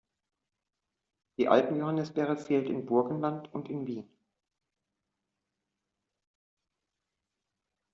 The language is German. Die Alpen-Johannisbeere fehlt im Burgenland und in Wien.